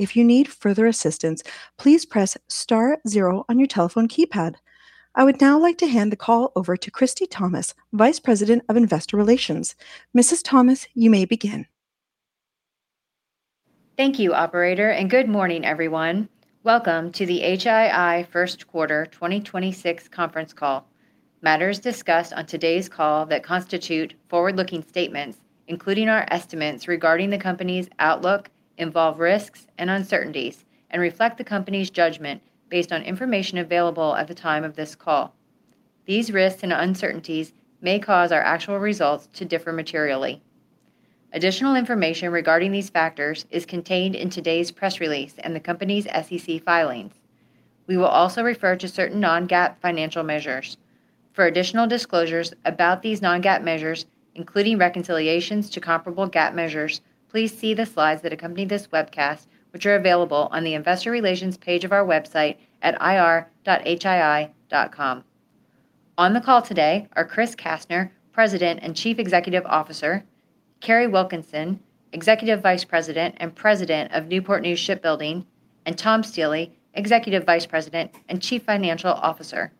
I would now like to hand the call over to Christie Thomas, Vice President of Investor Relations. Mrs. Thomas, you may begin. Thank you, operator, and good morning, everyone. Welcome to the HII first quarter 2026 conference call. Matters discussed on today's call that constitute forward-looking statements, including our estimates regarding the company's outlook involve risks and uncertainties and reflect the company's judgment based on information available at the time of this call. These risks and uncertainties may cause our actual results to differ materially. Additional information regarding these factors is contained in today's press release and the company's SEC filings. We will also refer to certain non-GAAP financial measures. For additional disclosures about these non-GAAP measures, including reconciliations to comparable GAAP measures, please see the slides that accompany this webcast, which are available on the investor relations page of our website at ir.hii.com. On the call today are Chris Kastner, President and Chief Executive Officer, Kari Wilkinson, Executive Vice President and President of Newport News Shipbuilding, and Tom Stiehle, Executive Vice President and Chief Financial Officer.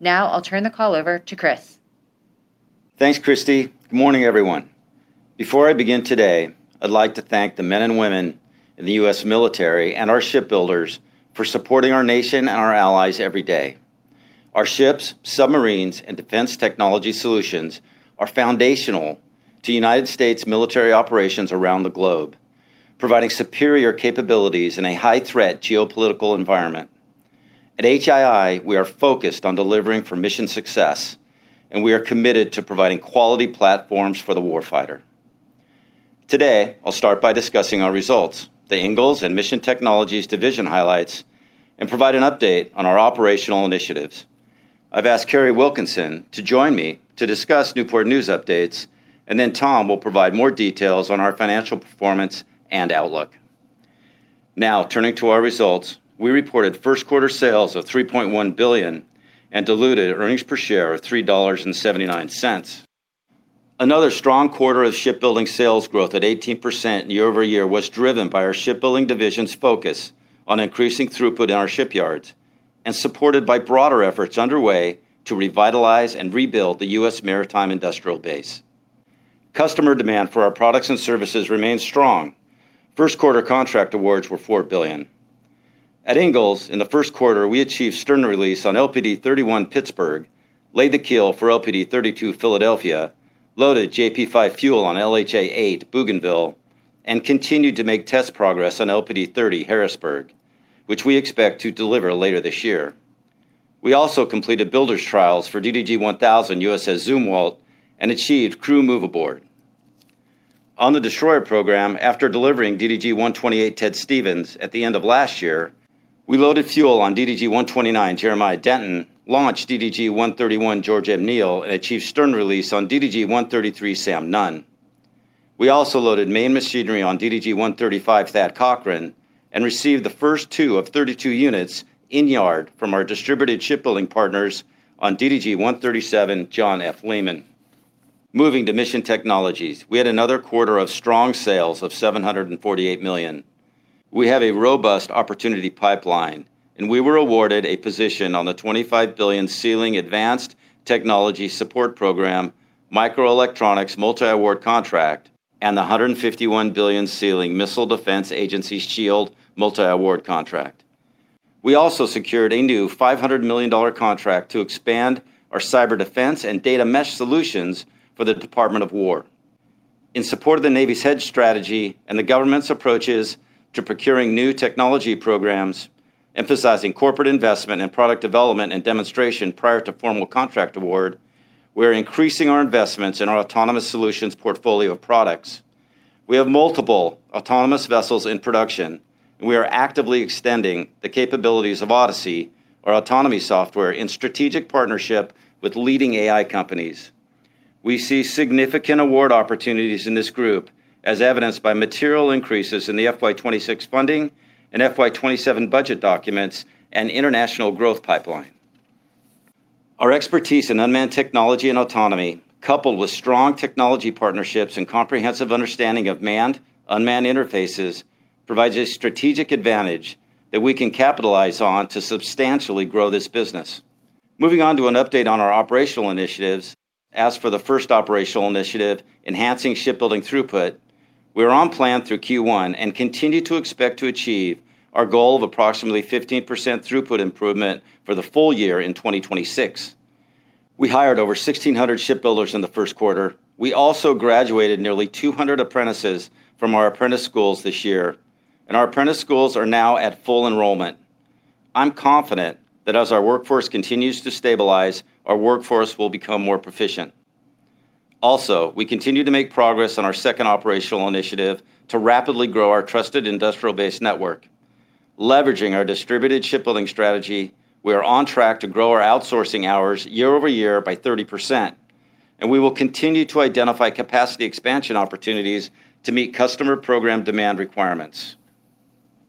Now I'll turn the call over to Chris. Thanks, Christie. Good morning, everyone. Before I begin today, I'd like to thank the men and women in the U.S. military and our shipbuilders for supporting our nation and our allies every day. Our ships, submarines, and defense technology solutions are foundational to United States military operations around the globe, providing superior capabilities in a high-threat geopolitical environment. At HII, we are focused on delivering for mission success, we are committed to providing quality platforms for the war fighter. Today, I'll start by discussing our results, the Ingalls and Mission Technologies division highlights, and provide an update on our operational initiatives. I've asked Kari Wilkinson to join me to discuss Newport News updates, Tom Stiehle will provide more details on our financial performance and outlook. Now turning to our results. We reported first quarter sales of $3.1 billion and diluted earnings per share of $3.79. Another strong quarter of shipbuilding sales growth at 18% year-over-year was driven by our shipbuilding division's focus on increasing throughput in our shipyards and supported by broader efforts underway to revitalize and rebuild the U.S. maritime industrial base. Customer demand for our products and services remains strong. First quarter contract awards were $4 billion. At Ingalls, in the first quarter, we achieved stern release on LPD 31 USS Pittsburgh, laid the keel for LPD 32 USS Philadelphia, loaded JP-5 fuel on LHA 8 Bougainville, and continued to make test progress on LPD 30 Harrisburg, which we expect to deliver later this year. We also completed builder's trials for DDG 1000 USS Zumwalt and achieved crew move aboard. On the destroyer program, after delivering DDG 128 Ted Stevens at the end of last year, we loaded fuel on DDG 129 Jeremiah Denton, launched DDG 131 George M. Neal, and achieved stern release on DDG 133 Sam Nunn. We also loaded main machinery on DDG 135 Thad Cochran and received the first 2 of 32 units in yard from our distributed shipbuilding partners on DDG 137 John F. Lehman. Moving to Mission Technologies, we had another quarter of strong sales of $748 million. We have a robust opportunity pipeline. We were awarded a position on the $25 billion ceiling Advanced Technology Support Program, microelectronics multi-award contract, and the $151 billion ceiling Missile Defense Agency's SHIELD multi-award contract. We also secured a new $500 million contract to expand our cyber defense and data mesh solutions for the Department of Defense. In support of the Navy's hedge strategy and the government's approaches to procuring new technology programs, emphasizing corporate investment and product development and demonstration prior to formal contract award, we're increasing our investments in our autonomous solutions portfolio of products. We have multiple autonomous vessels in production, and we are actively extending the capabilities of Odyssey, our autonomy software, in strategic partnership with leading AI companies. We see significant award opportunities in this group, as evidenced by material increases in the FY 2026 funding and FY 2027 budget documents and international growth pipeline. Our expertise in unmanned technology and autonomy, coupled with strong technology partnerships and comprehensive understanding of manned-unmanned interfaces, provides a strategic advantage that we can capitalize on to substantially grow this business. Moving on to an update on our operational initiatives. As for the first operational initiative, enhancing shipbuilding throughput, we are on plan through Q1 and continue to expect to achieve our goal of approximately 15% throughput improvement for the full year in 2026. We hired over 1,600 shipbuilders in the first quarter. We also graduated nearly 200 apprentices from our apprentice schools this year, and our apprentice schools are now at full enrollment. I'm confident that as our workforce continues to stabilize, our workforce will become more proficient. Also, we continue to make progress on our second operational initiative to rapidly grow our trusted industrial base network. Leveraging our distributed shipbuilding strategy, we are on track to grow our outsourcing hours year-over-year by 30%, and we will continue to identify capacity expansion opportunities to meet customer program demand requirements.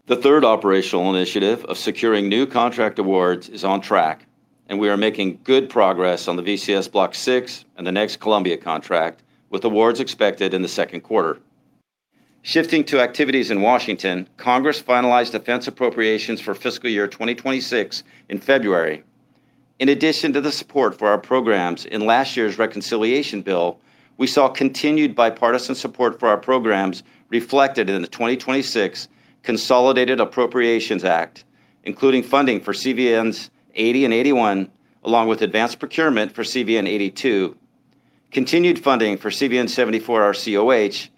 The third operational initiative of securing new contract awards is on track, and we are making good progress on the Virginia-class Block VI and the next Columbia-class contract, with awards expected in the second quarter. Shifting to activities in Washington, Congress finalized defense appropriations for fiscal year 2026 in February. In addition to the support for our programs in last year's reconciliation bill, we saw continued bipartisan support for our programs reflected in the 2026 Consolidated Appropriations Act, including funding for CVNs 80 and 81, along with advanced procurement for CVN 82, continued funding for CVN 74 RCOH,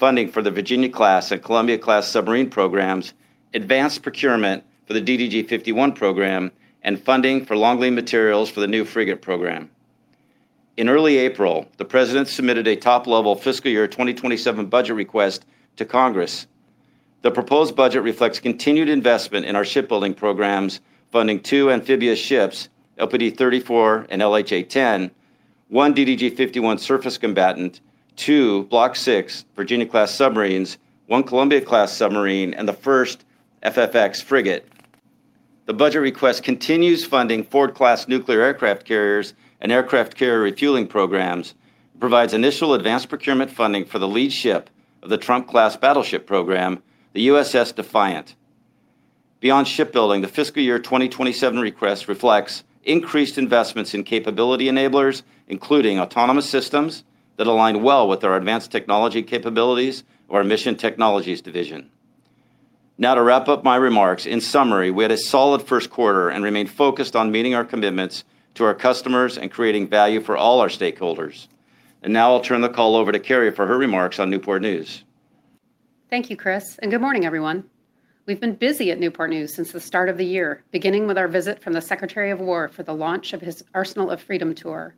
funding for the Virginia-class and Columbia-class submarine programs, advanced procurement for the DDG 51 program, and funding for long-lead materials for the new frigate program. In early April, the President submitted a top-level fiscal year 2027 budget request to Congress. The proposed budget reflects continued investment in our shipbuilding programs, funding two amphibious ships, LPD 34 and LHA 10, one DDG 51 surface combatant, two Block VI Virginia-class submarines, one Columbia-class submarine, and the first FFX frigate. The budget request continues funding Ford-class nuclear aircraft carriers and aircraft carrier refueling programs, provides initial advanced procurement funding for the lead ship of the Trump-class battleship program, the USS Defiant. Beyond shipbuilding, the fiscal year 2027 request reflects increased investments in capability enablers, including autonomous systems that align well with our advanced technology capabilities of our Mission Technologies division. Now to wrap up my remarks, in summary, we had a solid first quarter and remain focused on meeting our commitments to our customers and creating value for all our stakeholders. Now I'll turn the call over to Kari for her remarks on Newport News. Thank you, Chris. Good morning, everyone. We've been busy at Newport News since the start of the year, beginning with our visit from the Secretary of War for the launch of his Arsenal of Freedom Tour.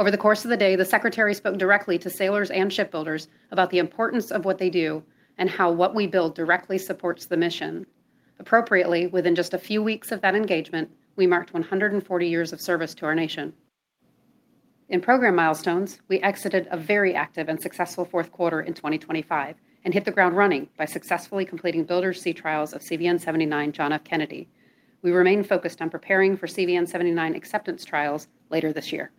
Over the course of the day, the Secretary spoke directly to sailors and shipbuilders about the importance of what they do and how what we build directly supports the mission. Appropriately, within just a few weeks of that engagement, we marked 140 years of service to our nation. In program milestones, we exited a very active and successful fourth quarter in 2025 and hit the ground running by successfully completing builder sea trials of CVN 79 John F. Kennedy. We remain focused on preparing for CVN 79 acceptance trials later this year.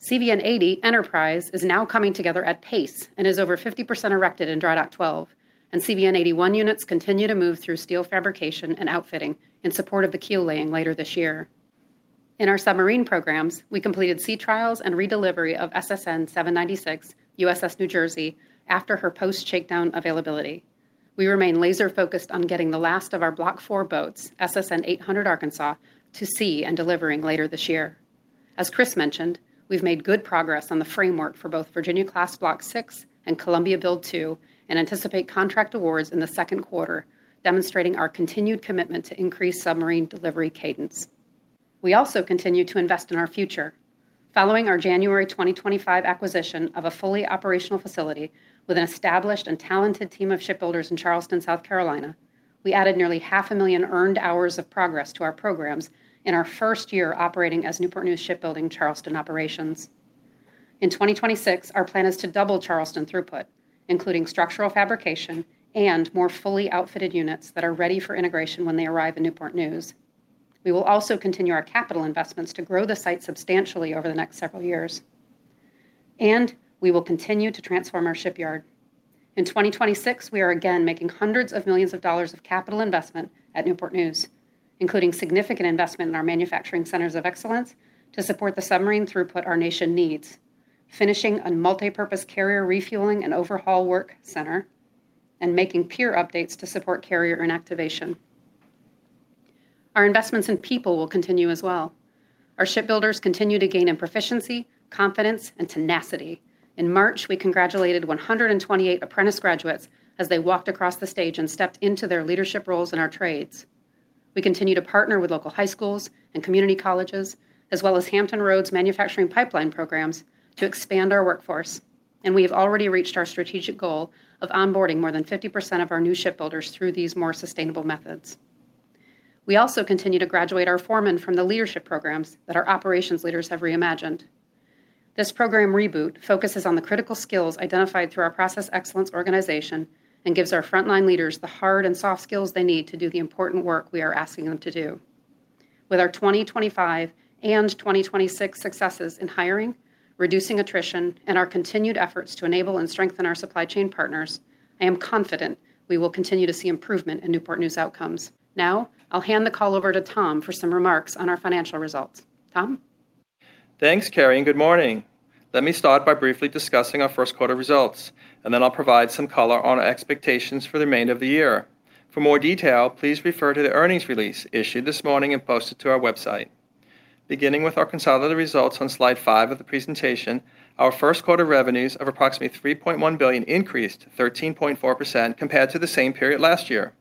CVN 80 Enterprise is now coming together at pace and is over 50% erected in Dry Dock 12, and CVN 81 units continue to move through steel fabrication and outfitting in support of the keel laying later this year. In our submarine programs, we completed sea trials and redelivery of SSN 796 USS New Jersey after her post-shakedown availability. We remain laser-focused on getting the last of our Block IV boats, SSN 800 Arkansas, to sea and delivering later this year. As Chris mentioned, we've made good progress on the framework for both Virginia-class Block VI and Columbia-class Build II and anticipate contract awards in the second quarter, demonstrating our continued commitment to increased submarine delivery cadence. We also continue to invest in our future. Following our January 2025 acquisition of a fully operational facility with an established and talented team of shipbuilders in Charleston, South Carolina, we added nearly half a million earned hours of progress to our programs in our first year operating as Newport News Shipbuilding Charleston Operations. In 2026, our plan is to double Charleston throughput, including structural fabrication and more fully outfitted units that are ready for integration when they arrive in Newport News. We will continue our capital investments to grow the site substantially over the next several years. We will continue to transform our shipyard. In 2026, we are again making hundreds of millions of dollars of capital investment at Newport News, including significant investment in our manufacturing centers of excellence to support the submarine throughput our nation needs, finishing a multipurpose carrier refueling and overhaul work center, and making pier updates to support carrier inactivation. Our investments in people will continue as well. Our shipbuilders continue to gain in proficiency, confidence, and tenacity. In March, we congratulated 128 apprentice graduates as they walked across the stage and stepped into their leadership roles in our trades. We continue to partner with local high schools and community colleges, as well as Hampton Roads manufacturing pipeline programs, to expand our workforce, and we have already reached our strategic goal of onboarding more than 50% of our new shipbuilders through these more sustainable methods. We also continue to graduate our foremen from the leadership programs that our operations leaders have reimagined. This program reboot focuses on the critical skills identified through our process excellence organization and gives our frontline leaders the hard and soft skills they need to do the important work we are asking them to do. With our 2025 and 2026 successes in hiring, reducing attrition, and our continued efforts to enable and strengthen our supply chain partners, I am confident we will continue to see improvement in Newport News outcomes. Now, I'll hand the call over to Tom for some remarks on our financial results. Tom? Thanks, Kari, and good morning. Let me start by briefly discussing our first quarter results, and then I'll provide some color on our expectations for the remainder of the year. For more detail, please refer to the earnings release issued this morning and posted to our website. Beginning with our consolidated results on slide 5 of the presentation, our first quarter revenues of approximately $3.1 billion increased 13.4% compared to the same period last year.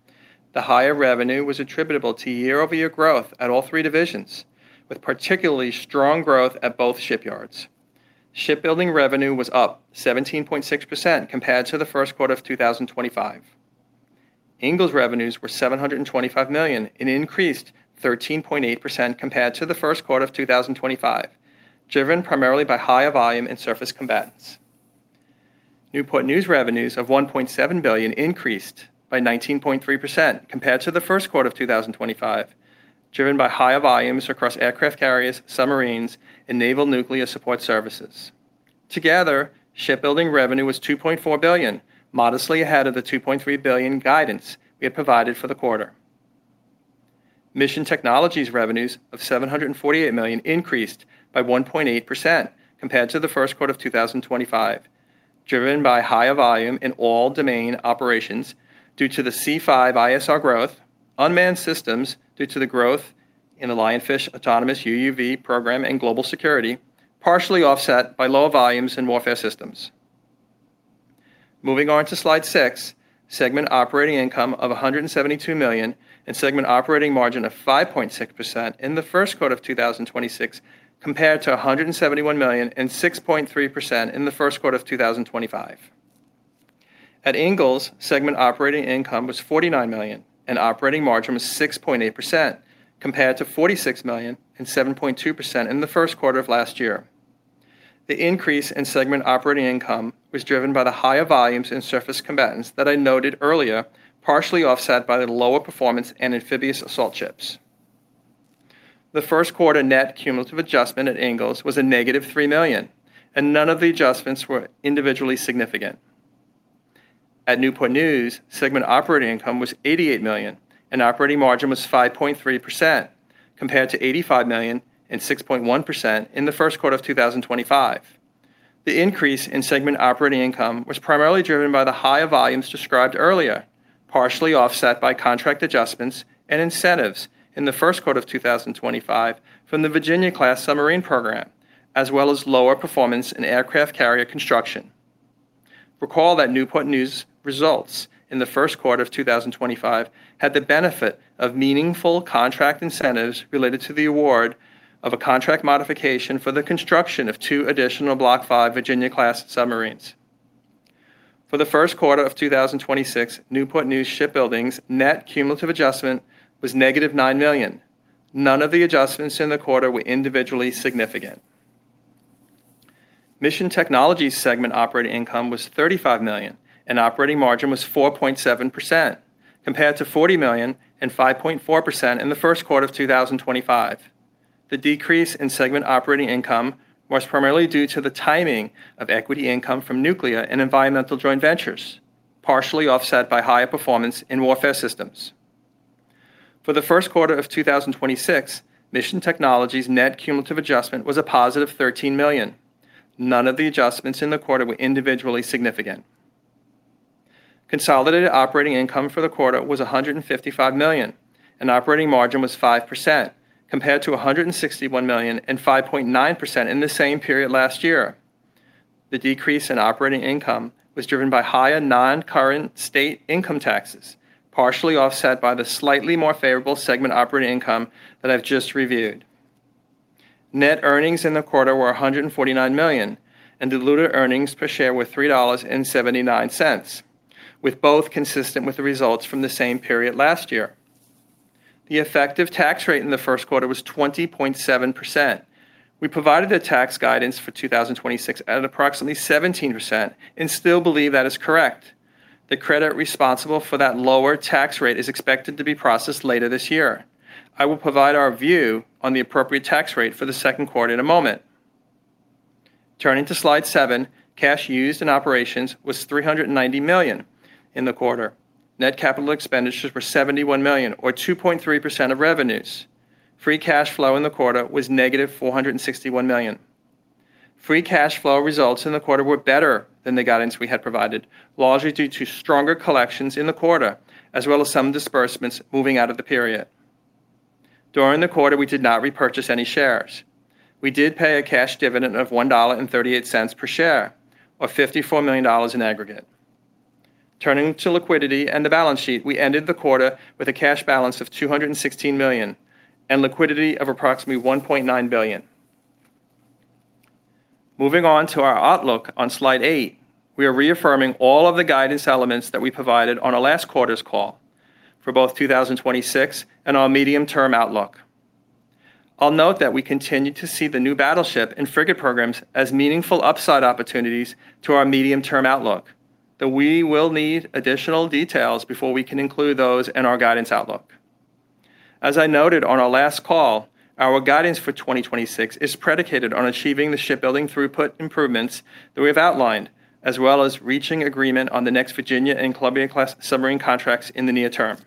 The higher revenue was attributable to year-over-year growth at all 3 divisions, with particularly strong growth at both shipyards. Shipbuilding revenue was up 17.6% compared to the first quarter of 2025. Ingalls revenues were $725 million, and increased 13.8% compared to the first quarter of 2025, driven primarily by higher volume and surface combatants. Newport News revenues of $1.7 billion increased by 19.3% compared to the first quarter of 2025, driven by higher volumes across aircraft carriers, submarines, and naval nuclear support services. Together, shipbuilding revenue was $2.4 billion, modestly ahead of the $2.3 billion guidance we had provided for the quarter. Mission Technologies revenues of $748 million increased by 1.8% compared to the first quarter of 2025, driven by higher volume in all domain operations due to the C5ISR growth, unmanned systems due to the growth in the Lionfish autonomous UUV program and global security, partially offset by lower volumes in warfare systems. Moving on to slide 6, segment operating income of $172 million and segment operating margin of 5.6% in the first quarter of 2026 compared to $171 million and 6.3% in the first quarter of 2025. At Ingalls, segment operating income was $49 million and operating margin was 6.8% compared to $46 million and 7.2% in the first quarter of last year. The increase in segment operating income was driven by the higher volumes in surface combatants that I noted earlier, partially offset by the lower performance and amphibious assault ships. The first quarter net cumulative adjustment at Ingalls was -$3 million. None of the adjustments were individually significant. At Newport News, segment operating income was $88 million, and operating margin was 5.3% compared to $85 million and 6.1% in the first quarter of 2025. The increase in segment operating income was primarily driven by the higher volumes described earlier, partially offset by contract adjustments and incentives in the first quarter of 2025 from the Virginia-class submarine program, as well as lower performance in aircraft carrier construction. Recall that Newport News' results in the first quarter of 2025 had the benefit of meaningful contract incentives related to the award of a contract modification for the construction of 2 additional Block V Virginia-class submarines. For the first quarter of 2026, Newport News Shipbuilding's net cumulative adjustment was -$9 million. None of the adjustments in the quarter were individually significant. Mission Technologies segment operating income was $35 million, and operating margin was 4.7% compared to $40 million and 5.4% in the first quarter of 2025. The decrease in segment operating income was primarily due to the timing of equity income from nuclear and environmental joint ventures, partially offset by higher performance in warfare systems. For the first quarter of 2026, Mission Technologies' net cumulative adjustment was a positive $13 million. None of the adjustments in the quarter were individually significant. Consolidated operating income for the quarter was $155 million, and operating margin was 5% compared to $161 million and 5.9% in the same period last year. The decrease in operating income was driven by higher non-current state income taxes, partially offset by the slightly more favorable segment operating income that I've just reviewed. Net earnings in the quarter were $149 million, and diluted earnings per share were $3.79, with both consistent with the results from the same period last year. The effective tax rate in the first quarter was 20.7%. We provided a tax guidance for 2026 at approximately 17% and still believe that is correct. The credit responsible for that lower tax rate is expected to be processed later this year. I will provide our view on the appropriate tax rate for the second quarter in a moment. Turning to slide 7, cash used in operations was $390 million in the quarter. Net capital expenditures were $71 million, or 2.3% of revenues. Free cash flow in the quarter was negative $461 million. Free cash flow results in the quarter were better than the guidance we had provided, largely due to stronger collections in the quarter, as well as some disbursements moving out of the period. During the quarter, we did not repurchase any shares. We did pay a cash dividend of $1.38 per share, or $54 million in aggregate. Turning to liquidity and the balance sheet, we ended the quarter with a cash balance of $216 million and liquidity of approximately $1.9 billion. Moving on to our outlook on slide 8, we are reaffirming all of the guidance elements that we provided on our last quarter's call for both 2026 and our medium-term outlook. I'll note that we continue to see the new battleship and frigate programs as meaningful upside opportunities to our medium-term outlook, though we will need additional details before we can include those in our guidance outlook. As I noted on our last call, our guidance for 2026 is predicated on achieving the shipbuilding throughput improvements that we have outlined, as well as reaching agreement on the next Virginia-class and Columbia-class submarine contracts in the near term.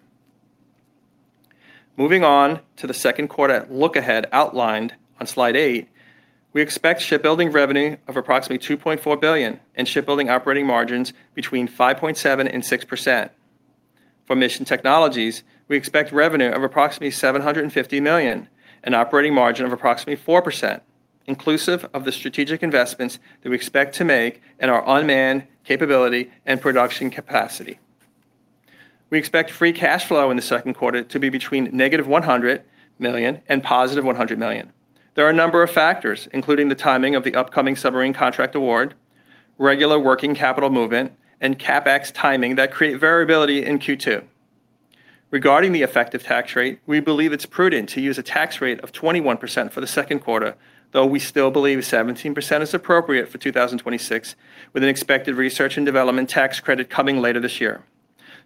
Moving on to the second quarter look-ahead outlined on slide 8, we expect shipbuilding revenue of approximately $2.4 billion and shipbuilding operating margins between 5.7% and 6%. For Mission Technologies, we expect revenue of approximately $750 million and operating margin of approximately 4%, inclusive of the strategic investments that we expect to make in our unmanned capability and production capacity. We expect free cash flow in the second quarter to be between negative $100 million and positive $100 million. There are a number of factors, including the timing of the upcoming submarine contract award, regular working capital movement, and CapEx timing that create variability in Q2. Regarding the effective tax rate, we believe it's prudent to use a tax rate of 21% for the second quarter, though we still believe 17% is appropriate for 2026, with an expected research and development tax credit coming later this year.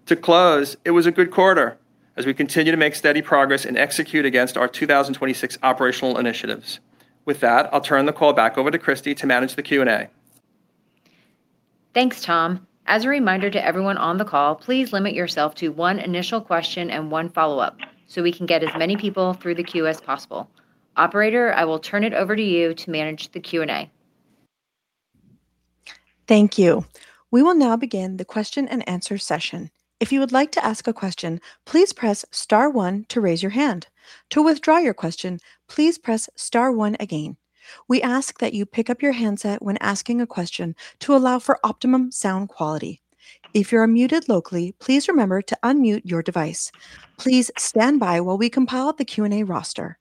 To close, it was a good quarter as we continue to make steady progress and execute against our 2026 operational initiatives. With that, I'll turn the call back over to Christie to manage the Q&A. Thanks, Tom. As a reminder to everyone on the call, please limit yourself to one initial question and one follow-up, so we can get as many people through the queue as possible. Operator, I will turn it over to you to manage the Q&A. Thank you. We will now begin the question-and-answer session. If you would like to ask a question, please press star one to raise your hand. To withdraw your question, please press star one again. We ask that you pick up your handset when asking a question to allow for optimum sound quality. If you're muted locally, please remember to unmute your device. Please stand by while we compile up the Q&A roster.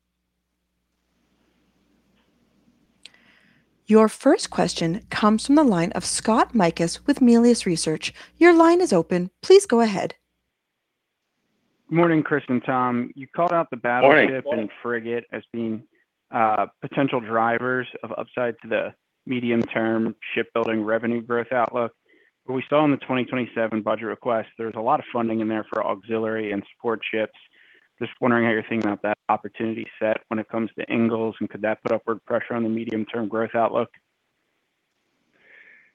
Your first question comes from the line of Scott Mikus with Melius Research. Your line is open. Please go ahead. Morning, Chris and Tom. Morning. You called out the battleship and frigate as being potential drivers of upside to the medium-term shipbuilding revenue growth outlook. We saw in the 2027 budget request there's a lot of funding in there for auxiliary and support ships. Just wondering how you're thinking about that opportunity set when it comes to Ingalls, and could that put upward pressure on the medium-term growth outlook?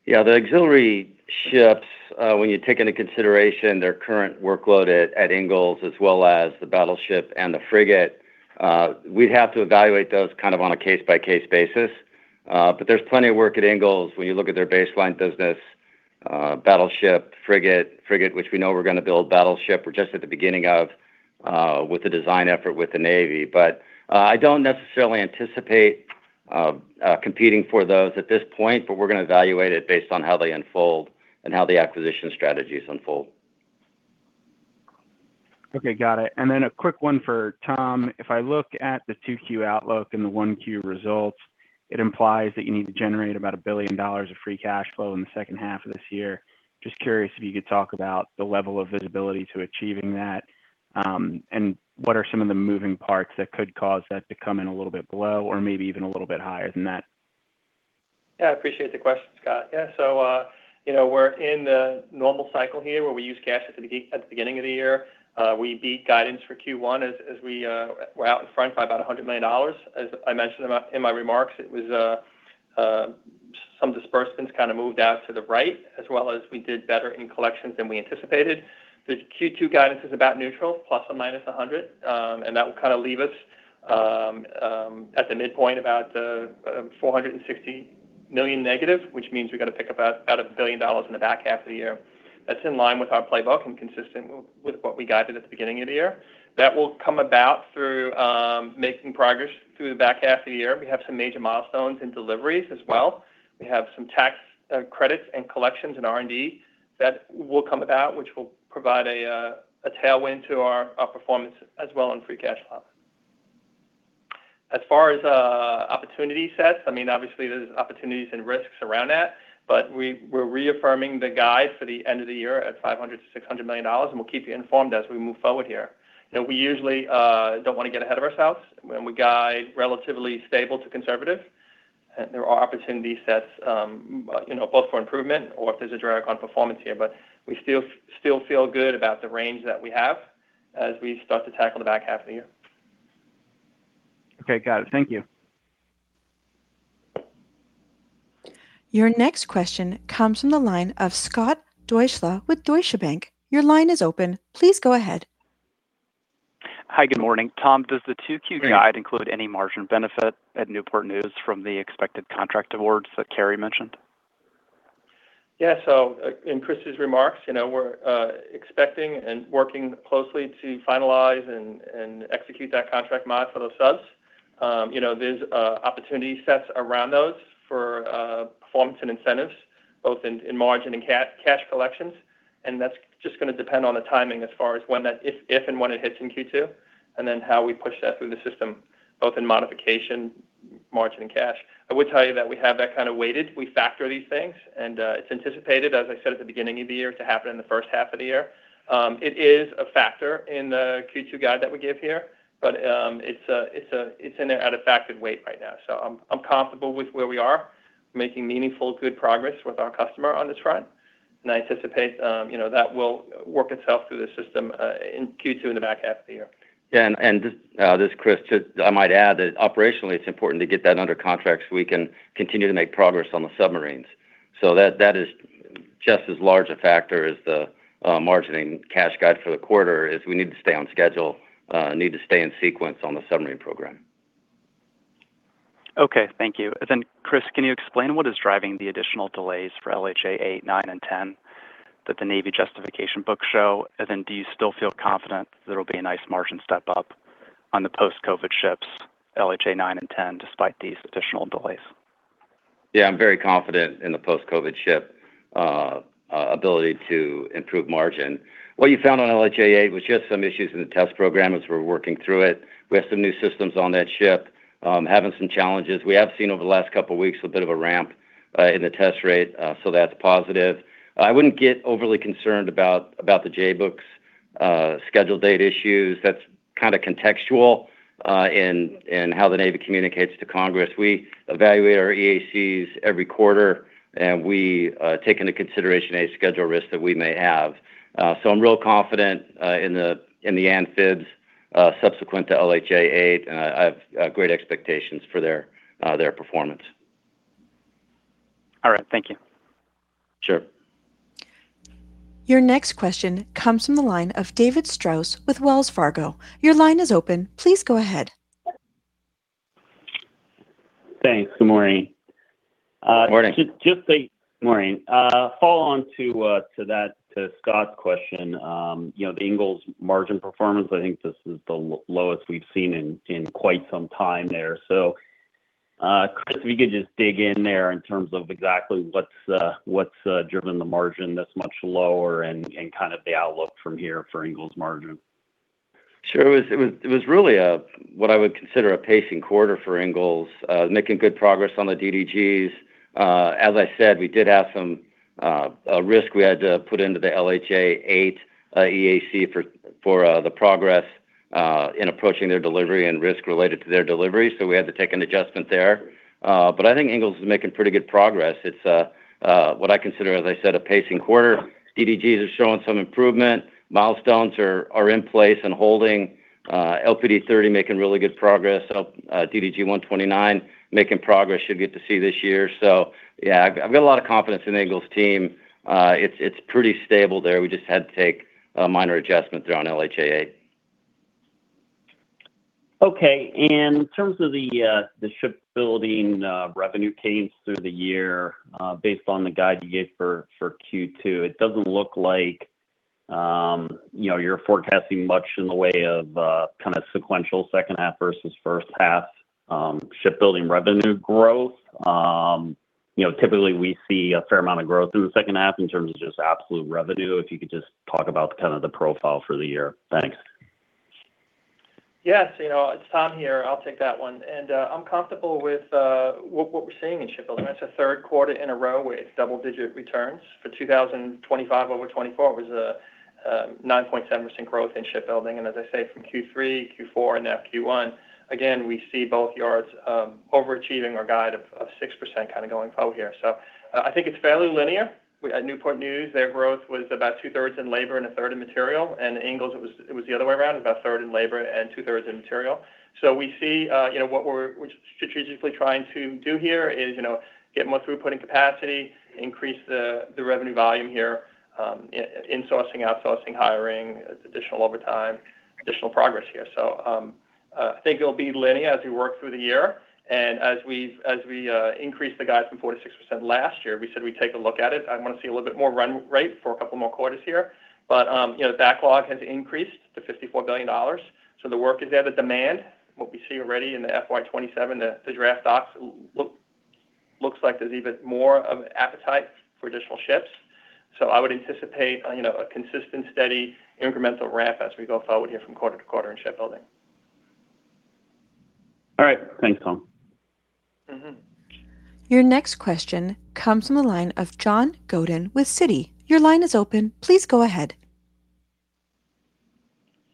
The auxiliary ships, when you take into consideration their current workload at Ingalls, as well as the battleship and the frigate, we'd have to evaluate those kind of on a case-by-case basis. There's plenty of work at Ingalls when you look at their baseline business, battleship, frigate. Frigate, which we know we're gonna build. Battleship, we're just at the beginning of with the design effort with the Navy. I don't necessarily anticipate competing for those at this point, but we're gonna evaluate it based on how they unfold and how the acquisition strategies unfold. Okay, got it. A quick one for Tom. If I look at the 2Q outlook and the 1Q results, it implies that you need to generate about $1 billion of free cash flow in the second half of this year. Just curious if you could talk about the level of visibility to achieving that, and what are some of the moving parts that could cause that to come in a little bit below or maybe even a little bit higher than that? Yeah, I appreciate the question, Scott. Yeah, so, you know, we're in the normal cycle here where we use cash at the beginning of the year. We beat guidance for Q1 as we were out in front by about $100 million. As I mentioned in my remarks, it was some disbursements kind of moved out to the right, as well as we did better in collections than we anticipated. The Q2 guidance is about neutral, ±100. That will kind of leave us at the midpoint about $460 million negative, which means we've got to pick about $1 billion in the back half of the year. That's in line with our playbook and consistent with what we guided at the beginning of the year. That will come about through making progress through the back half of the year. We have some major milestones and deliveries as well. We have some tax credits and collections in R&D that will come about, which will provide a tailwind to our performance as well on free cash flow. As far as opportunity sets, I mean, obviously, there's opportunities and risks around that, but we're reaffirming the guide for the end of the year at $500 million-$600 million, and we'll keep you informed as we move forward here. You know, we usually, don't wanna get ahead of ourselves when we guide relatively stable to conservative. There are opportunity sets, you know, both for improvement or if there's a drag on performance here. We still feel good about the range that we have as we start to tackle the back half of the year. Okay, got it. Thank you. Your next question comes from the line of Scott Deuschle with Deutsche Bank. Your line is open. Please go ahead. Hi, good morning. Tom, does the 2Q guide include any margin benefit at Newport News from the expected contract awards that Kari mentioned? In Chris' remarks, you know, we're expecting and working closely to finalize and execute that contract mod for those subs. You know, there's opportunity sets around those for performance and incentives, both in margin and cash collections, and that's just gonna depend on the timing as far as when that if and when it hits in Q2, and then how we push that through the system, both in modification, margin and cash. I would tell you that we have that kind of weighted. We factor these things and it's anticipated, as I said at the beginning of the year, to happen in the first half of the year. It is a factor in the Q2 guide that we give here, it's in there at a factored weight right now. I'm comfortable with where we are, making meaningful, good progress with our customer on this front, and I anticipate, you know, that will work itself through the system, in Q2 in the back half of the year. Yeah, and just, this is Chris. Just I might add that operationally it's important to get that under contract so we can continue to make progress on the submarines. That is just as large a factor as the margining cash guide for the quarter, is we need to stay on schedule, need to stay in sequence on the submarine program. Okay, thank you. Chris, can you explain what is driving the additional delays for LHA 8, 9 and 10 that the Navy J-book show? Do you still feel confident there will be a nice margin step up on the post-COVID ships, LHA 9 and 10, despite these additional delays? Yeah, I'm very confident in the post-COVID ship ability to improve margin. What you found on LHA 8 was just some issues in the test program as we're working through it. We have some new systems on that ship, having some challenges. We have seen over the last couple of weeks a bit of a ramp in the test rate, that's positive. I wouldn't get overly concerned about the J books scheduled date issues. That's kind of contextual in how the Navy communicates to Congress. We evaluate our EACs every quarter, we take into consideration any schedule risks that we may have. I'm real confident in the Amphibs subsequent to LHA 8, I have great expectations for their performance. All right. Thank you. Sure. Your next question comes from the line of David Strauss with Wells Fargo. Your line is open. Please go ahead. Thanks. Good morning. Morning. Morning. Follow on to that, to Scott's question, you know, the Ingalls margin performance, I think this is the lowest we've seen in quite some time there. Chris, if you could just dig in there in terms of exactly what's driven the margin this much lower and kind of the outlook from here for Ingalls margin. Sure. It was really what I would consider a pacing quarter for Ingalls. Making good progress on the DDGs. As I said, we did have some risk we had to put into the LHA 8 EAC for the progress in approaching their delivery and risk related to their delivery. We had to take an adjustment there. I think Ingalls is making pretty good progress. It's what I consider, as I said, a pacing quarter. DDGs are showing some improvement. Milestones are in place and holding. LPD 30 making really good progress. DDG 129 making progress. Should get to sea this year. Yeah, I've got a lot of confidence in Ingalls team. It's pretty stable there. We just had to take, minor adjustments there on LHA 8. Okay. In terms of the shipbuilding revenue cadence through the year, based on the guide you gave for Q2, it doesn't look like, you know, you're forecasting much in the way of kind of sequential second half versus first half shipbuilding revenue growth. You know, typically, we see a fair amount of growth in the second half in terms of just absolute revenue. If you could just talk about kind of the profile for the year. Thanks. Yes. You know, it's Tom here. I'll take that one. I'm comfortable with what we're seeing in shipbuilding. It's the third quarter in a row with double-digit returns. For 2025 over 2024, it was 9.7% growth in shipbuilding. As I say, from Q3, Q4 and now Q1, again, we see both yards overachieving our guide of 6% kind of going forward here. I think it's fairly linear. At Newport News, their growth was about 2/3 in labor and 1/3 in material. Ingalls, it was the other way around, about 1/3 in labor and 2/3 in material. We see, what we're strategically trying to do here is get more throughput in capacity, increase the revenue volume here, insourcing, outsourcing, hiring, additional overtime, additional progress here. I think it'll be linear as we work through the year and as we increase the guides from 4%-6%. Last year, we said we'd take a look at it. I want to see a little bit more run rate for a couple more quarters here. Backlog has increased to $54 billion, so the work is there, the demand. What we see already in the FY 2027, the draft docs looks like there's even more of an appetite for additional ships. I would anticipate, you know, a consistent, steady, incremental ramp as we go forward here from quarter to quarter in shipbuilding. All right. Thanks, Tom. Your next question comes from the line of John Godin with Citi. Your line is open. Please go ahead.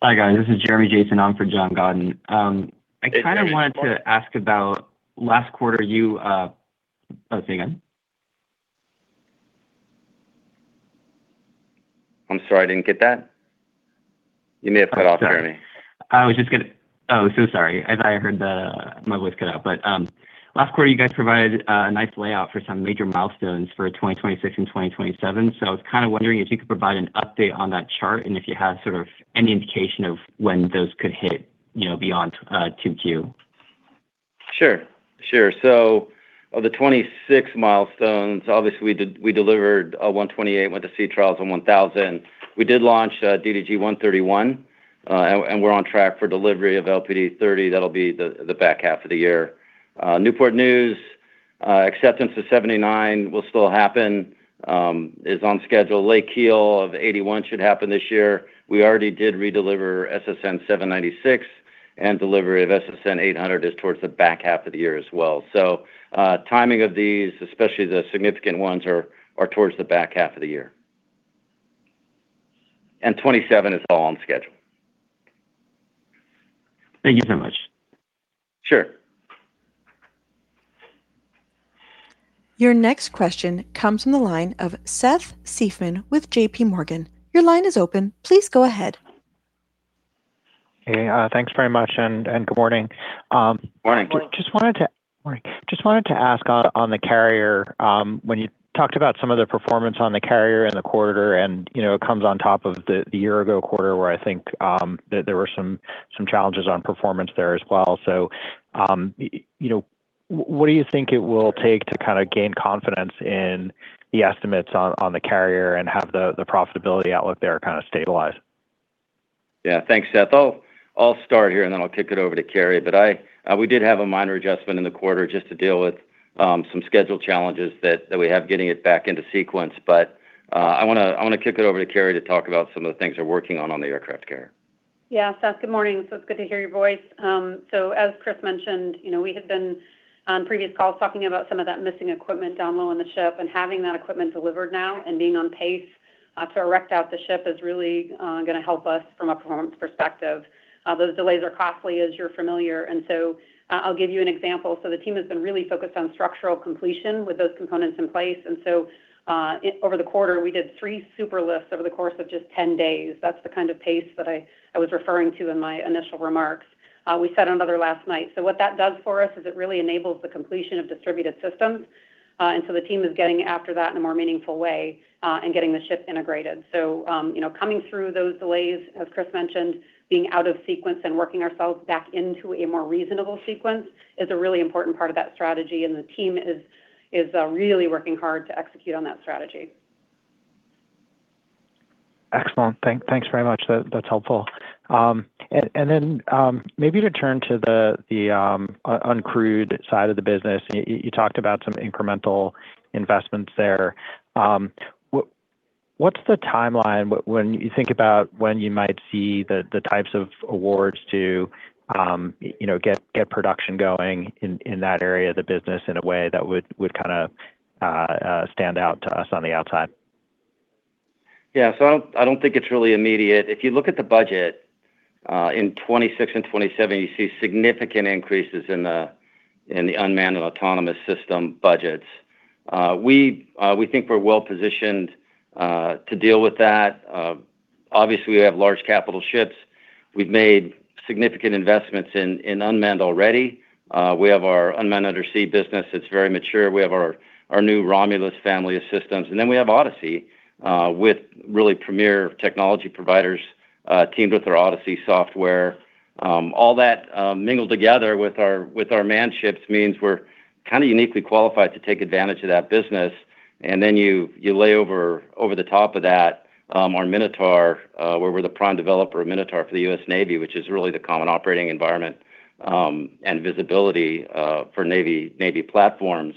Hi, guys. This is Jeremy Jason on for John Godin. I kind of wanted to ask about last quarter. Oh, say again? I'm sorry, I didn't get that. You may have cut off, Jeremy. Oh, sorry. Oh, so sorry. As I heard that, my voice cut out. Last quarter, you guys provided a nice layout for some major milestones for 2026 and 2027. I was kind of wondering if you could provide an update on that chart and if you have sort of any indication of when those could hit, you know, beyond 2Q. Sure, sure. Of the 26 milestones, obviously, we delivered 128, went to sea trials on DDG-1000. We did launch DDG 131. We're on track for delivery of LPD 30. That'll be the back half of the year. Newport News acceptance of 79 will still happen, is on schedule. Lay keel of 81 should happen this year. We already did redeliver SSN 796, and delivery of SSN 800 is towards the back half of the year as well. Timing of these, especially the significant ones, are towards the back half of the year. 2027 is all on schedule. Thank you so much. Sure. Your next question comes from the line of Seth Seifman with JPMorgan. Hey, thanks very much and good morning. Morning. Morning. Just wanted to ask on the carrier, when you talked about some of the performance on the carrier in the quarter, and, you know, it comes on top of the year ago quarter where I think there were some challenges on performance there as well. You know, what do you think it will take to kind of gain confidence in the estimates on the carrier and have the profitability outlook there kind of stabilize? Yeah. Thanks, Seth. I'll start here, then I'll kick it over to Kari. We did have a minor adjustment in the quarter just to deal with some schedule challenges that we have getting it back into sequence. I wanna kick it over to Kari to talk about some of the things we're working on on the aircraft carrier. Yeah, Seth, good morning. It's good to hear your voice. As Chris mentioned, you know, we had been on previous calls talking about some of that missing equipment down low on the ship, and having that equipment delivered now and being on pace to erect out the ship is really gonna help us from a performance perspective. Those delays are costly, as you're familiar, I'll give you an example. The team has been really focused on structural completion with those components in place. Over the quarter, we did 3 super lifts over the course of just 10 days. That's the kind of pace that I was referring to in my initial remarks. We set another last night. What that does for us is it really enables the completion of distributed systems. The team is getting after that in a more meaningful way and getting the ship integrated. You know, coming through those delays, as Chris mentioned, being out of sequence and working ourselves back into a more reasonable sequence is a really important part of that strategy, and the team is really working hard to execute on that strategy. Excellent. Thanks very much. That's helpful. Maybe to turn to the uncrewed side of the business. You talked about some incremental investments there. What's the timeline when you think about when you might see the types of awards to, you know, get production going in that area of the business in a way that would kinda stand out to us on the outside? Yeah. I don't think it's really immediate. If you look at the budget in 2026 and 2027, you see significant increases in the unmanned and autonomous system budgets. We think we're well positioned to deal with that. Obviously we have large capital ships. We've made significant investments in unmanned already. We have our unmanned undersea business that's very mature. We have our new Romulus family of systems, and then we have Odyssey with really premier technology providers teamed with our Odyssey software. All that mingled together with our manned ships means we're kinda uniquely qualified to take advantage of that business. You, you lay over the top of that, our Minotaur, where we're the prime developer of Minotaur for the U.S. Navy, which is really the common operating environment and visibility for Navy platforms.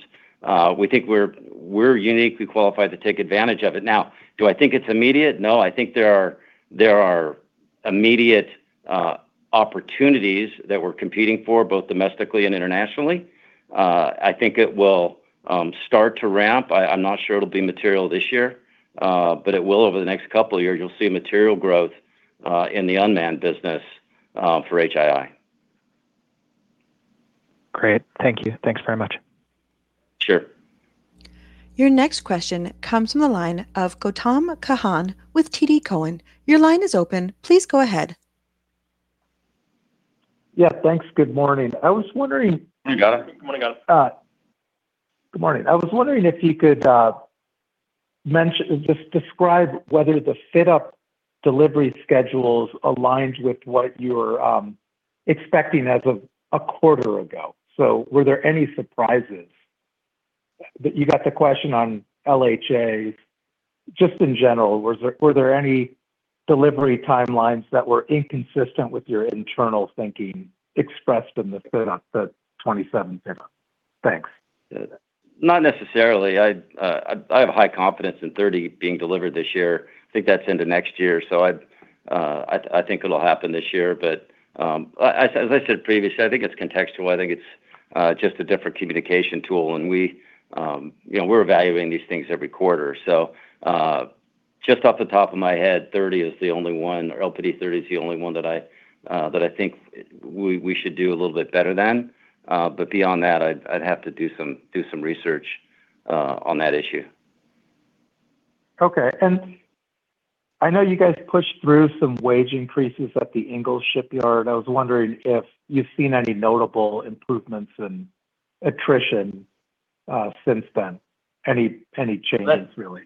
We think we're uniquely qualified to take advantage of it. Now, do I think it's immediate? No, I think there are immediate opportunities that we're competing for both domestically and internationally. I think it will start to ramp. I'm not sure it'll be material this year, but it will over the next couple of years. You'll see material growth in the unmanned business for HII. Great. Thank you. Thanks very much. Sure. Your next question comes from the line of Gautam Khanna with TD Cowen. Your line is open. Please go ahead. Yeah, thanks. Good morning. I was wondering. Hey, Gautam. Morning, Gautam. good morning. I was wondering if you could just describe whether the fit-up delivery schedules aligned with what you were expecting as of a quarter ago. Were there any surprises? You got the question on LHAs. Just in general, were there any delivery timelines that were inconsistent with your internal thinking expressed in the fit-up, the 2027 fit-up? Thanks. Not necessarily. I have high confidence in 30 being delivered this year. I think that's into next year, so I think it'll happen this year. As I said previously, I think it's contextual. I think it's just a different communication tool, and we, you know, we're evaluating these things every quarter. Just off the top of my head, 30 is the only one, or LPD 30 is the only one that I think we should do a little bit better than. Beyond that, I'd have to do some research on that issue. Okay. I know you guys pushed through some wage increases at the Ingalls Shipyard. I was wondering if you've seen any notable improvements in attrition since then? Any changes really.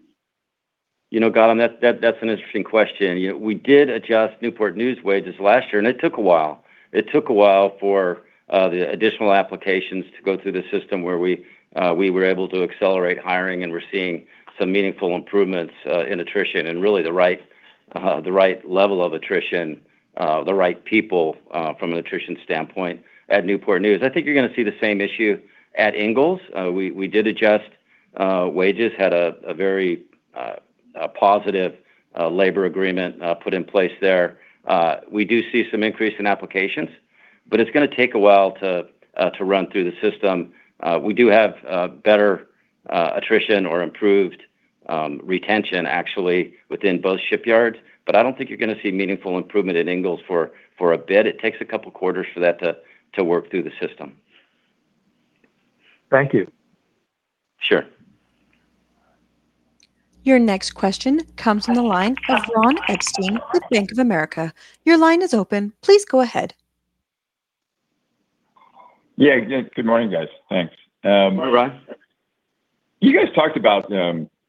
You know, Gautam, that's an interesting question. You know, we did adjust Newport News wages last year, and it took a while. It took a while for the additional applications to go through the system where we were able to accelerate hiring, and we're seeing some meaningful improvements in attrition and really the right, the right level of attrition, the right people, from an attrition standpoint at Newport News. I think you're gonna see the same issue at Ingalls. We did adjust wages, had a very positive labor agreement put in place there. We do see some increase in applications, but it's gonna take a while to run through the system. We do have better attrition or improved retention actually within both shipyards, but I don't think you're gonna see meaningful improvement at Ingalls for a bit. It takes a couple quarters for that to work through the system. Thank you. Sure. Your next question comes from the line of Ron Epstein with Bank of America. Your line is open. Please go ahead. Yeah, good morning, guys. Thanks. Morning, Ron. you guys talked about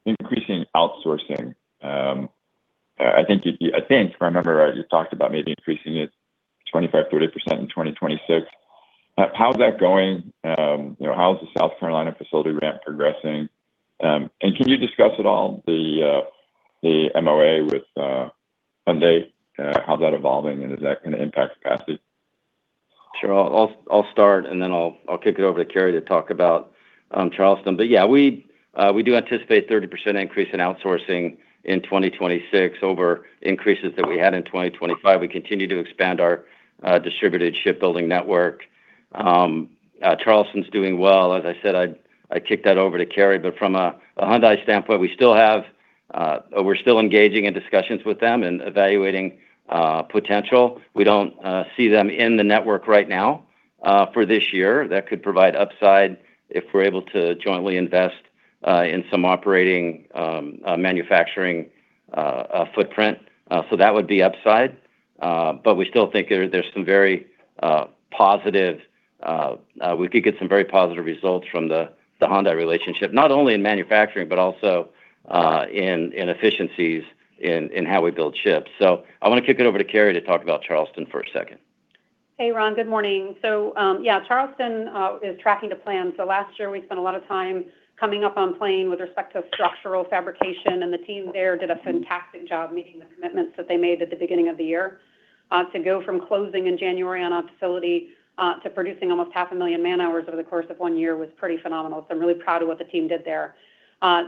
increasing outsourcing. I think, if I remember right, you talked about maybe increasing it 25%-30% in 2026. How's that going? you know, how's the South Carolina facility ramp progressing? Can you discuss at all the MOA with Hyundai? How's that evolving, and is that gonna impact capacity? Sure. I'll start, and then I'll kick it over to Kari to talk about Charleston. Yeah, we do anticipate 30% increase in outsourcing in 2026 over increases that we had in 2025. We continue to expand our distributed shipbuilding network. Charleston's doing well. As I said, I'd kick that over to Kari, from a Hyundai standpoint we still have or we're still engaging in discussions with them and evaluating potential. We don't see them in the network right now for this year. That could provide upside if we're able to jointly invest in some operating manufacturing footprint. That would be upside. We still think there's some very positive results from the Hyundai relationship, not only in manufacturing but also in efficiencies in how we build ships. I wanna kick it over to Kari to talk about Charleston for a second. Hey, Ron. Good morning. Yeah, Charleston is tracking to plan. Last year we spent a lot of time coming up on plan with respect to structural fabrication, and the team there did a fantastic job meeting the commitments that they made at the beginning of the year. To go from closing in January on our facility to producing almost half a million man-hours over the course of 1 year was pretty phenomenal, I'm really proud of what the team did there.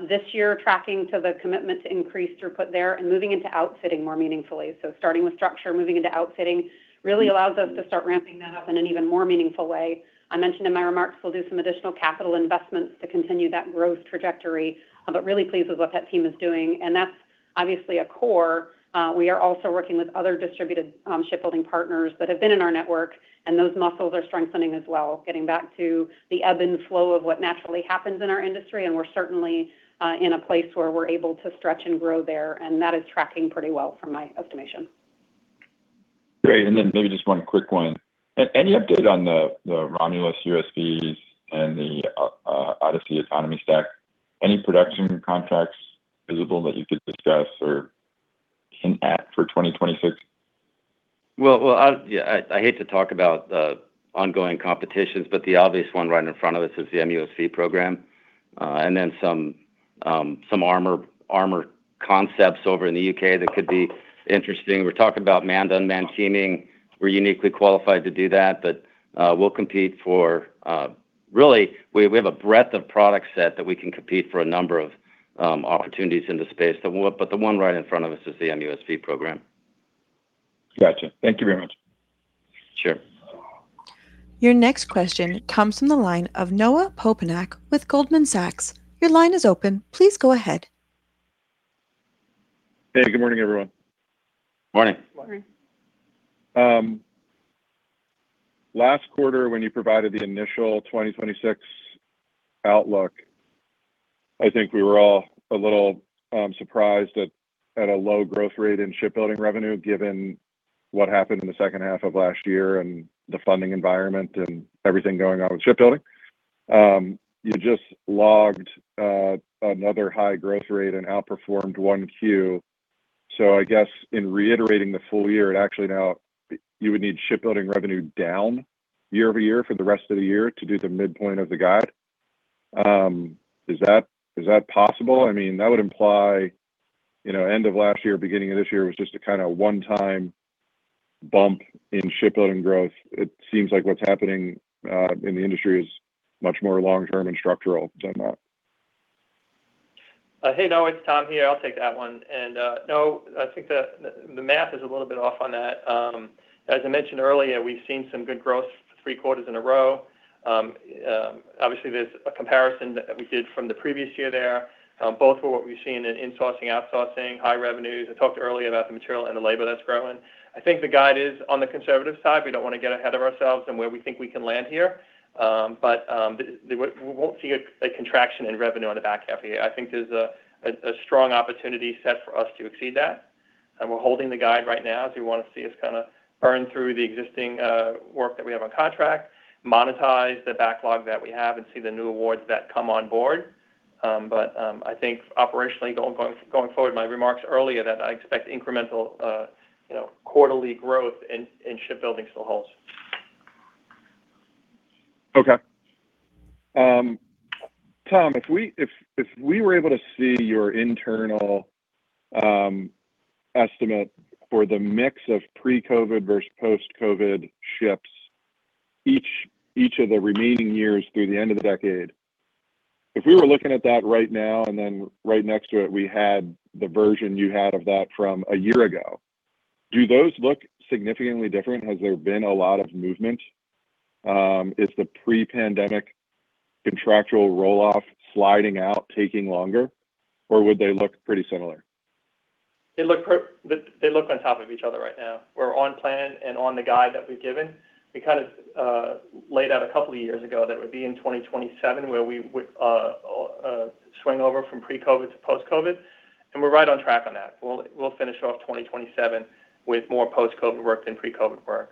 This year, tracking to the commitment to increase throughput there and moving into outfitting more meaningfully. Starting with structure, moving into outfitting really allows us to start ramping that up in an even more meaningful way. I mentioned in my remarks we'll do some additional capital investments to continue that growth trajectory. Really pleased with what that team is doing, and that's obviously a core. We are also working with other distributed shipbuilding partners that have been in our network, and those muscles are strengthening as well, getting back to the ebb and flow of what naturally happens in our industry. We're certainly in a place where we're able to stretch and grow there, and that is tracking pretty well from my estimation. Great. Maybe just 1 quick one. Any update on the ROMULUS USVs and the Odyssey autonomy stack? Any production contracts visible that you could discuss or hint at for 2026? Well, I, yeah, I hate to talk about ongoing competitions, but the obvious one right in front of us is the MUSV program. Then some armor concepts over in the U.K. that could be interesting. We're talking about manned, unmanned teaming. We're uniquely qualified to do that. Really, we have a breadth of product set that we can compete for a number of opportunities in the space that we. The one right in front of us is the MUSV program. Gotcha. Thank you very much. Sure. Your next question comes from the line of Noah Poponak with Goldman Sachs. Your line is open. Please go ahead. Hey, good morning, everyone. Morning. Morning. Last quarter when you provided the initial 2026 outlook, I think we were all a little surprised at a low growth rate in shipbuilding revenue, given what happened in the second half of last year and the funding environment and everything going on with shipbuilding. You just logged another high growth rate and outperformed 1Q. I guess in reiterating the full year, you would need shipbuilding revenue down year-over-year for the rest of the year to do the midpoint of the guide. Is that possible? I mean, that would imply, you know, end of last year, beginning of this year was just a kinda one-time bump in shipbuilding growth. It seems like what's happening in the industry is much more long-term and structural than that. Hey, Noah, it's Tom here. I'll take that one. No, I think the math is a little bit off on that. As I mentioned earlier, we've seen some good growth three quarters in a row. Obviously there's a comparison that we did from the previous year there, both for what we've seen in insourcing, outsourcing, high revenues. I talked earlier about the material and the labor that's growing. I think the guide is on the conservative side. We don't wanna get ahead of ourselves in where we think we can land here. We won't see a contraction in revenue on the back half of the year. I think there's a strong opportunity set for us to exceed that, and we're holding the guide right now, as we want to see us kinda burn through the existing work that we have on contract, monetize the backlog that we have, and see the new awards that come on board. I think operationally going forward, my remarks earlier that I expect incremental, you know, quarterly growth in shipbuilding still holds. Okay. Tom, if we were able to see your internal estimate for the mix of pre-COVID versus post-COVID ships each of the remaining years through the end of the decade, if we were looking at that right now and then right next to it we had the version you had of that from a year ago, do those look significantly different? Has there been a lot of movement? Is the pre-pandemic contractual roll-off sliding out, taking longer, or would they look pretty similar? They look on top of each other right now. We're on plan and on the guide that we've given. We kind of laid out a couple of years ago that it would be in 2027 where we would swing over from pre-COVID to post-COVID, and we're right on track on that. We'll finish off 2027 with more post-COVID work than pre-COVID work.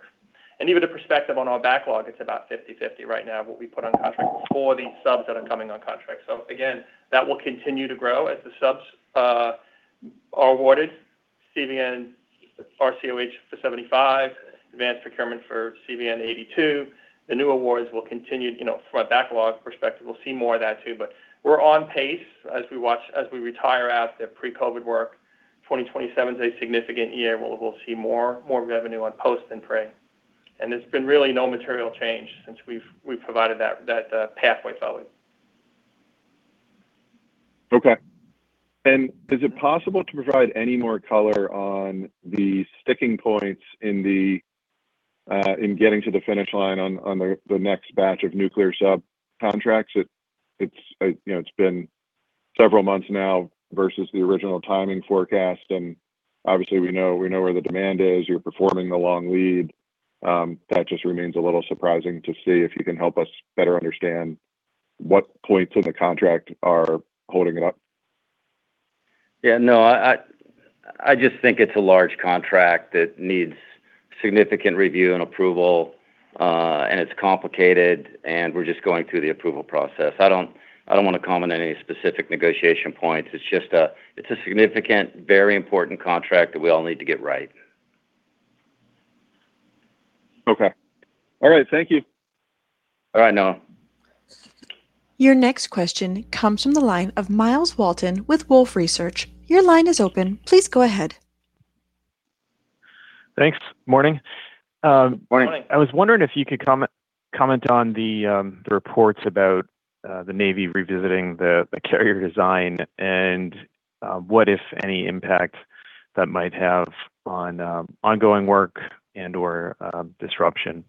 Even the perspective on our backlog, it's about 50/50 right now, what we put on contract for these subs that are coming on contract. Again, that will continue to grow as the subs are awarded CVN RCOH for 75, advanced procurement for CVN 82. The new awards will continue, you know, from a backlog perspective, we'll see more of that too. We're on pace as we watch, as we retire out the pre-COVID work. 2027 is a significant year. We'll see more revenue on post than pre. There's been really no material change since we've provided that pathway forward. Okay. Is it possible to provide any more color on the sticking points in getting to the finish line on the next batch of nuclear sub contracts? You know, it's been several months now versus the original timing forecast. Obviously we know where the demand is. You're performing the long lead. That just remains a little surprising to see if you can help us better understand what points in the contract are holding it up? Yeah, no, I just think it's a large contract that needs significant review and approval, and it's complicated, and we're just going through the approval process. I don't wanna comment any specific negotiation points. It's just a significant, very important contract that we all need to get right. Okay. All right, thank you. All right, Noah. Your next question comes from the line of Myles Walton with Wolfe Research. Your line is open. Please go ahead. Thanks. Morning. Morning. I was wondering if you could comment on the reports about the Navy revisiting the carrier design and what, if any, impact that might have on ongoing work and/or disruption.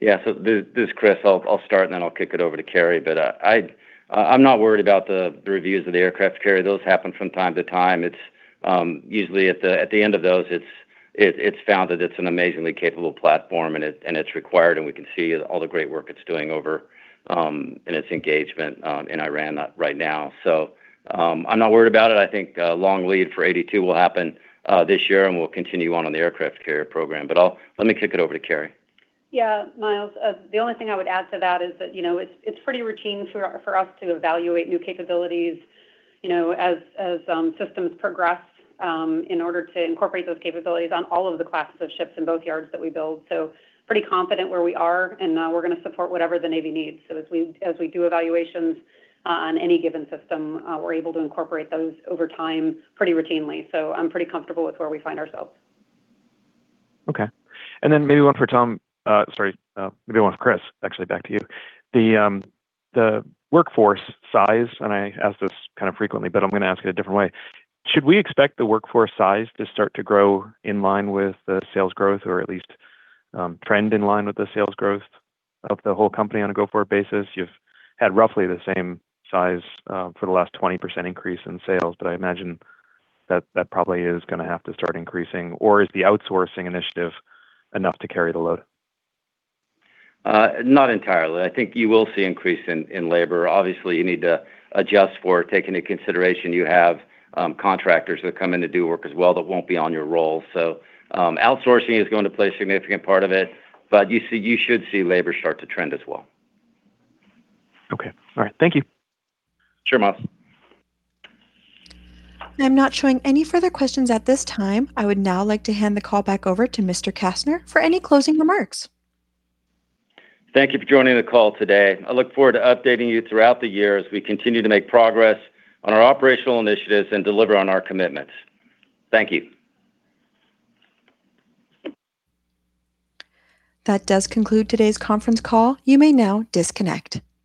Yeah. This is Chris. I'll start, and then I'll kick it over to Kari. I'm not worried about the reviews of the aircraft carrier. Those happen from time to time. It's usually at the end of those, it's found that it's an amazingly capable platform and it's required, and we can see all the great work it's doing over in its engagement in Iran right now. I'm not worried about it. I think long lead for 82 will happen this year, and we'll continue on in the aircraft carrier program. Let me kick it over to Kari. Yeah, Myles. The only thing I would add to that is that, you know, it's pretty routine for us to evaluate new capabilities, you know, as systems progress, in order to incorporate those capabilities on all of the classes of ships in both yards that we build. Pretty confident where we are, and we're gonna support whatever the Navy needs. As we do evaluations on any given system, we're able to incorporate those over time pretty routinely. I'm pretty comfortable with where we find ourselves. Okay. Maybe one for Tom. Maybe one for Chris, actually, back to you. The workforce size, I ask this kind of frequently, I'm gonna ask it a different way. Should we expect the workforce size to start to grow in line with the sales growth or at least trend in line with the sales growth of the whole company on a go-forward basis? You've had roughly the same size for the last 20% increase in sales, I imagine that that probably is gonna have to start increasing. Is the outsourcing initiative enough to carry the load? Not entirely. I think you will see increase in labor. Obviously, you need to adjust for, take into consideration you have contractors that come in to do work as well that won't be on your roll. Outsourcing is going to play a significant part of it, but you should see labor start to trend as well. Okay. All right. Thank you. Sure, Myles. I'm not showing any further questions at this time. I would now like to hand the call back over to Mr. Kastner for any closing remarks. Thank you for joining the call today. I look forward to updating you throughout the year as we continue to make progress on our operational initiatives and deliver on our commitments. Thank you. That does conclude today's conference call. You may now disconnect.